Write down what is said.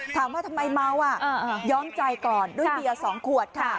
ถามว่าทำไมเมาอ่ะย้อมใจก่อนด้วยเบียร์๒ขวดค่ะ